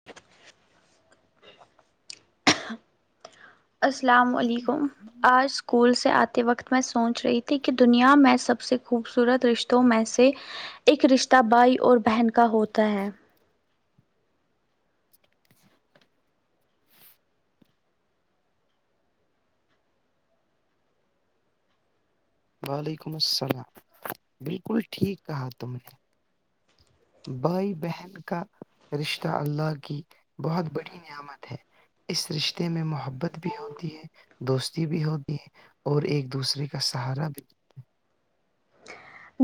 [unintelligible] السلام علیکم آج اسکول سے آتے وقت میں سوچ رہی تھی کہ دنیا میں سب سے خوبصورت رشتوں میں سے ایک رشتہ بھائی اور بہن کا ہوتا ہے وعلیکم السلام بالکل ٹھیک کہا تم نے بھائی بہن کا رشتہ اللہ کی بہت بڑی نعمت ہے اس رشتے میں محبت بھی ہوتی ہے دوستی بھی ہوتی ہے اور ایک دوسرے کا سہارا بھی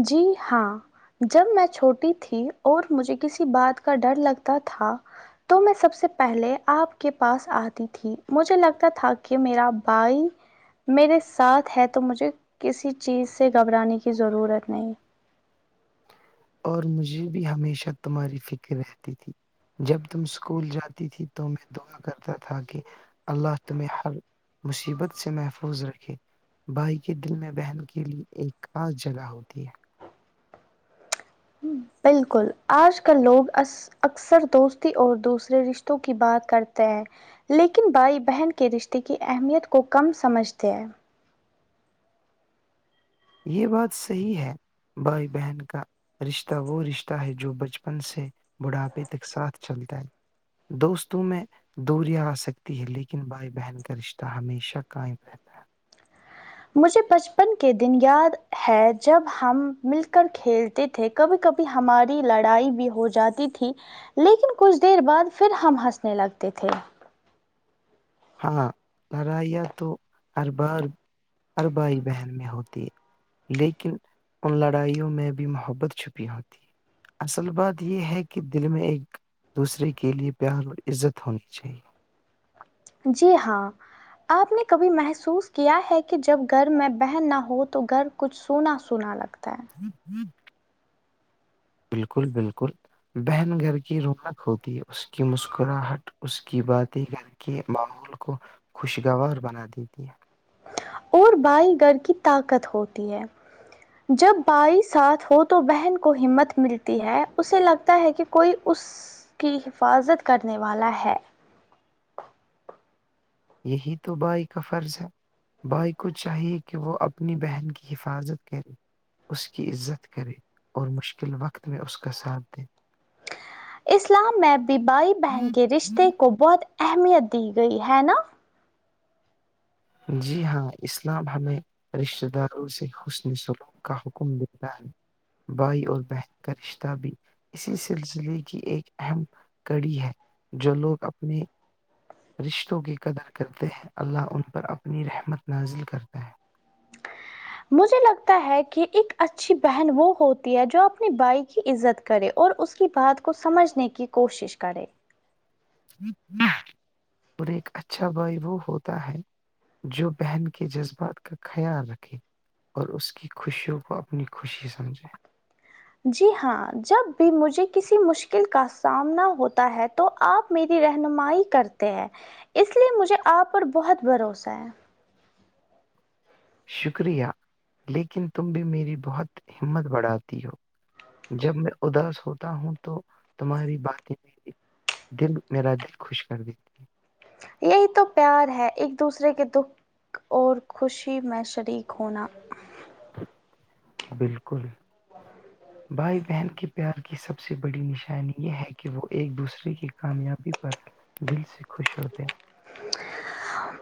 جی ہاں جب میں چھوٹی تھی اور مجھے کسی بات کا ڈر لگتا تھا تو میں سب سے پہلے آپ کے پاس آتی تھی مجھے لگتا تھا کہ میرا بھائی میرے ساتھ ہے تو مجھے کسی چیز سے گھبرانے کی ضرورت نہیں اور مجھے بھی ہمیشہ تمہاری فکر رہتی تھی جب تم اسکول جاتی تھی تو میں دعا کرتا تھا کہ اللہ تمہیں ہر مصیبت سے محفوظ رکھے بھائی کے دل میں بہن کے لیے ایک خاص جگہ ہوتی ہے بالکل آج کل لوگ اکثر دوستی اور دوسرے رشتوں کی بات کرتے ہیں لیکن بھائی بہن کے رشتے کی اہمیت کو کم سمجھتے ہیں یہ بات صحی ہے بھائی بہن کا رشتہ وہ رشتہ ہے جو بچپن سے بڑھاپے تک ساتھ چلتا ہے دوستوں میں دوریا آ سکتی ہے لیکن بھائی بہن کا رشتہ ہمیشہ قائم رہتا ہے مجھے بچپن کے دن یاد ہے جب ہم مل کر کھیل تھے کبھی کبھی ہماری لڑائی بھی ہو جاتی تھی لیکن کچھ دیر بعد پھر ہم ہنسنے لگتے تھے ہاں لڑائیاں تو ہر بار ہر بھائی بہن میں ہوتی ہے لیکن ان لڑائیوں میں بھی محبت چھپی ہوتی ہے اصل بات یہ ہے کہ دل میں ایک دوسرے کے لیے پیار اور عزت ہونی چاہیے جی ہاں آپ نے کبھی محسوس کیا ہے کہ جب گھر میں بہن نہ ہو تو گھر کچھ سونا سونا لگتا ہے [inaudible] بالکل بالکل بہن گھر کی رونق ہوتی ہے اس کی مسکراہٹ اس کی باتیں کر کے ماحول کو خوشگوار بنا دیتی ہے اور بائی گھر کی طاقت ہوتی ہے جب بھائی ساتھ ہو تو بہن کو ہمت ملتی ہے اسے لگتا ہے کہ کوئی اس کی حفاظت کرنے والا ہے یہی تو بائی کا فرض ہے بھائی کو چاہیے کہ وہ اپنی بہن کی حفاظت کرے اس کی عزت کرے اور مشکل وقت میں اس کا ساتھ دیں اسلام میں بھی بھائی بہن کے رشتے کو بہت اہمیت دی گئی ہے نا جی ہاں اسلام ہمیں رشتہ داروں سے حسنی سلک کا حکم دیتا ہے بھائی البہت کا رشتہ بھی اسی سلسلے کی ایک اہم کڑی ہے جو لوگ اپنے رشتوں کی قدر کرتے ہیں اللہ ان پر اپنی رحمت نازل کرتے ہے مجھے لگتا ہے کہ ایک اچھی بہن وہ ہوتی ہے جو اپنی بھائی کی عزت کرے اور اس کی بات کو سمجھنے کی کوشش کرے اور ایک اچھا بوائے وہ ہوتا ہے جو بہن کے جذبات کا خیال رکھے اور اس کی خوشیوں کو اپنی خوشی سمجھے جی ہاں جب بھی مجھے کسی مشکل کا سامنا ہوتا ہے تو آپ میری رہنمائی کرتے ہیں اس لیے مجھے آپ پر بہت بھروسہ ہے شکریہ لیکن تم بھی میری بہت ہمت بڑھاتی ہو جب میں اداس ہوتا ہوں تو تمہاری بات میری دل میرا دل خوش کر دیتی ہے یہی تو پیار ہے ایک دوسرے کے دو اور خوشی میں شریک ہونا بالکل [inaudible] بھائی بہن کے پیار کی سب سے بڑی نشانی یہ ہے کہ وہ ایک دوسرے کی کامیابی پر دل سے خوش ہوتے ہیں [inaudible]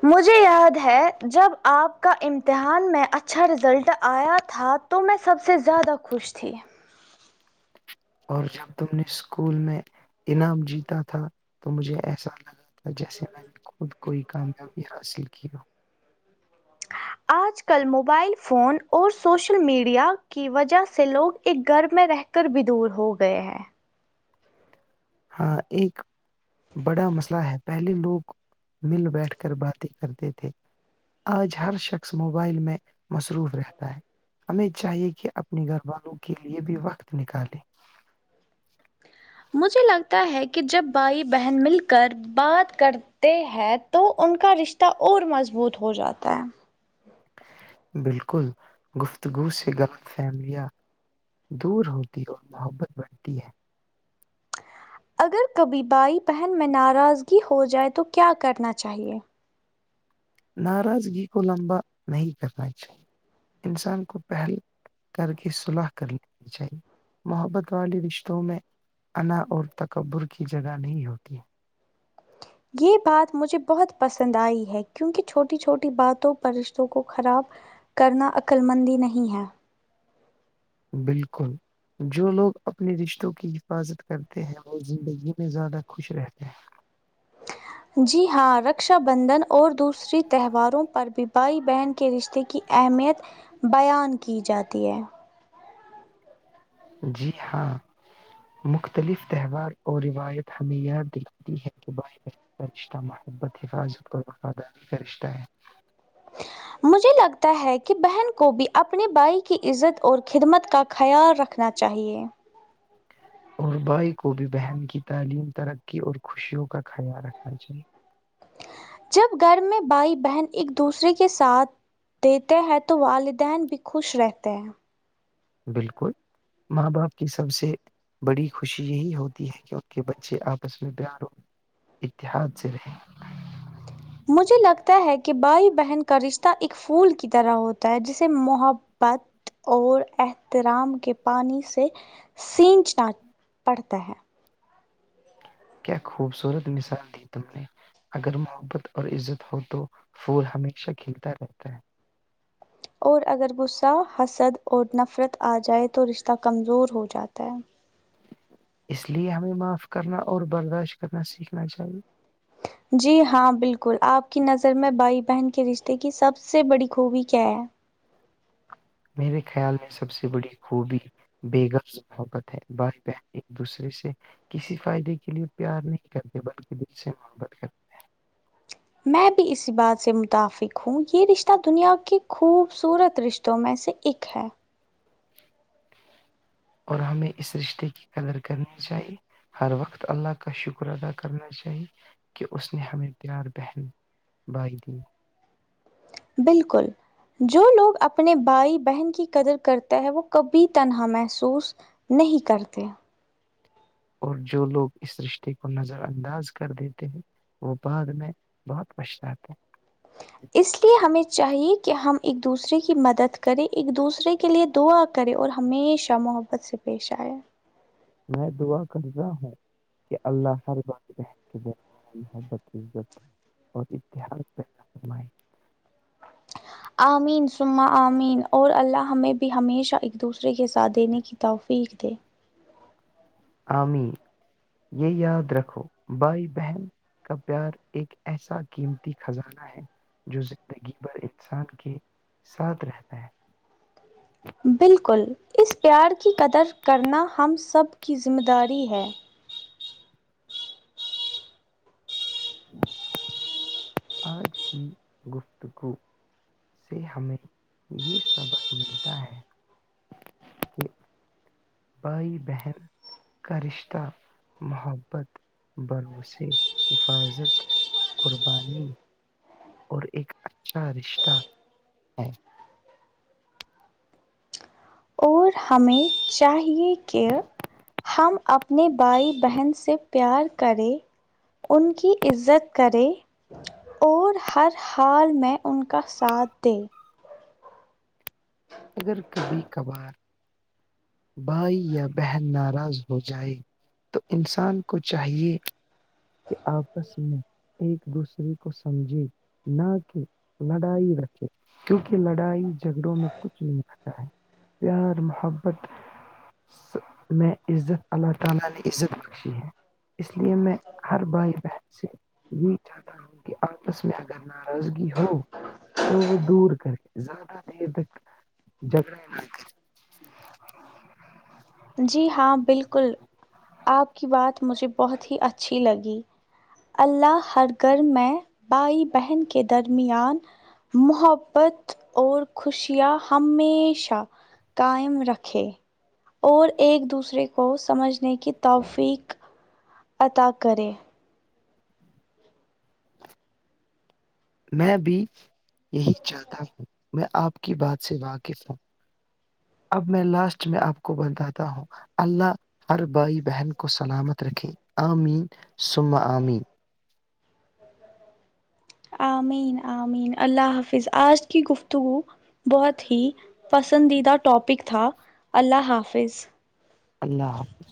مجھے یاد ہے جب آپ کا امتحان میں اچھا رزلٹ آیا تھا تو میں سب سے زیادہ خوش تھی اور جب تم نے اسکول میں انعام جیتا تھا تو مجھے ایسا لگا جیسے میں نے خود کوئی کامیابی حاصل کیا ہو [inaudible] آج کل موبائل فون اور سوشل میڈیا کی وجہ سے لوگ ایک گھر میں رہ ر بھی دور ہو گئے ہیں ہاں ایک بڑا مسئلہ ہے پہلے لوگ مل بیٹھ کر باتیں کرتے تھے آج ہر شخص موبائل میں مصروف رہتا ہے ہمیں چاہیے کہ اپنے گھر والوں کے لیے بھی وقت نکالیں مجھے لگتا ہے کہ جب بھائی بہن مل کر بات کرتے ہیں تو ان کا رشتہ اور مضبوط ہو جاتا ہے بالکل گفتگو سے غلط فہملیاں دور ہوتی ہے اور محبت بڑھتی ہے اگر کبھی بھائی بہن میں ناراضگی ہو جائے تو کیا کرنا چاہیے ناراضگی کو لمبا نہیں کرنا چاہیے انسان کو پہل کر کے صلاح کر لینی چاہیے محبت والی رشتوں میں انا اور تکبر کی جگہ نہیں ہوتی ہے یہ بات مجھے بہت پسند آئی ہے کیونکہ چھوٹی چھوٹی باتوں پر رشتوں کو خراب کرنا عقلمندی نہیں ہے بالکل جو لوگ اپنے رشتوں کی حفاظت کرتے ہیں وہ زندگی میں زیادہ خوش رہتے ہیں جی ہاں رکشا بندھن اور دوسری تہواروں پر بھی بھائی بہن کے رشتے کی اہمیت بیان کی جاتی ہے جی ہاں [inaudible] مختلف تہوار اور روایت ہمیں یاد دکھتی ہے کہب کا رشتہ محبت حفاظت اور وفاداری کا رشتہ ہے [inaudible] مجھے لگتا ہے کہ بہن کو بھی اپنے بھائی کی عزت اور خدمت کا خیال رکھنا چاہیے اور بھائی کو بھی بہن کی تعلیم ترقی اور خوشیوں کا خیال رکھنا چاہیے جب گھر میں بھائی بہن ایک دوسرے کے ساتھ دیتے ہیں تو والدین بھی خوش رہتے ہیں بالکل ماں باپ کی سب سے بڑی خوشی یہی ہوتی ہے کہ ان کے بچے آپس میں پیار ہو اتحااد رہ مجھے لگتا ہے کہ بھائی بہن کا رشتہ ایک پھول کی طرح ہوتا ہے جسے محبت پت اور احترام کے پانی سے سیننچنا پڑتا ہے کیا خوبصورت مثال دی تم نے اگر محبت اور عزت ہو تو پھول ہمیشہ کھیلتا رہتا ہے اور اگر غصہ حسد اور نفرت آ جائے تو رشتہ کمزور ہو جاتا ہے اس لیے ہمیں معاف کرنا اور برداشت کرنا سیکھنا چاہیے جی ہاں بالکل آپ کی نظر میں بھائی بہن کے رشتے کی سب سے بڑی خوبی کیا ہے میرے خیال میں سب سے بڑی خوبی بے گھر حبت ہے ب بن ایک دوسرے سے کسی فائدے کے لیے پیار نہیں کرتے بلکہ دل سے محبت کرتے میں بھی اسی بات سے متفق ہوں یہ رشتہ دنیا کے خوبصورت رشتوں میں سے ایک ہے [inaudible] اور ہمیں اس رشتے کی کدر کرنی چاہیے ہر وقت اللہ کا شکر ادا کرنا چاہیے کہ اس نے ہمیں پیار بہن بغ دن [inaudible] بالکل جو لوگ اپنے بھائی بہن کی قدر کرتے ہے وہ کبھی تنہا محسوس نہیں کرتے اور جو لوگ اس رشتے کو نظر انداز کر دیتے ہیں وہ بعد میں بہت پش جاتے ہیں اس لیے ہمیں چاہیے کہ ہم ایک دوسرے کی مدد کریں ایک دوسرے کے لیے دعا کرے اور ہمیشہ محبت سے پیش آئے میں دعا کر رہا ہوں کہ اللہر محبت عت اور اتحس پیدا فرمائی آمین سما آمین اور اللہ ہمیں بھی ہمیشہ دوسرے کے ساتھ دی نہیں کیتا فیق د عامیر یہ یاد رکھو بھائی بہن کا پیار ایک ایسا قیمتی خزانہ ہے جو زندگی بھر انسان کے ساتھ رہتا ہے بالکل اس پیار کی قدر کرنا ہم سب کی ذمہ داری ہے [inaudible] آج کی گفت سے ہمیں یہ سبق ملتا ہے بائی بہر کاشتہ محبت بھروسے حفاظت قربانی اور ایک اچھا رشتہ ہے اور ہمیں چاہیے کہ ہم اپنے بھائی بہن سے پیار کرے ان کی عزت کرے اور ہر حال میں ان کا ساتھ دے اگر کبھی کبھار بھائی یا بہن ناراض ہو جائے تو انسان کو چاہیے کہ آپس میں ایک دوسرے کو سمجھے نہ کہ لڑائی رکھے کیونکہ لڑائی جھگڑوں میں کچھ نہیں ہوتا ہے پیار محبت [inaudible] [unintelligible] تو وہ دور کر کے زیادہ دیر تک جھگڑے نہ جی ہاں بالکل آپ کی بات مجھے بہت ہی اچھی لگی اللہ ہر گھر میں بھائی بہن کے درمیان محبت اور خوشیاں ہمیشہ قائم رکھے اور ایک دوسرے کو سمجھنے کی توفیق اطا کرے [inaudible] میں بھیچ یہی چاہتا ہوں میں آپ کی بات سے واقف ہوں اب میں لاسٹ میں آپ کو بتاتا ہوں اللہ ہر بھائی بہن کو سلامت رکھے آمین سم آمین آمین آمین اللہ حافظ آج کی گفتگو بہت ہی پسندیدہ ٹاپک تھا اللہ حافظ اللہ حافظ